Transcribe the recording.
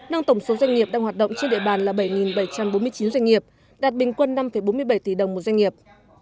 nâng tổng số doanh nghiệp đang hoạt động trên địa bàn là bảy bảy trăm bốn mươi chín doanh nghiệp đạt bình quân năm bốn mươi bảy tỷ đồng một doanh nghiệp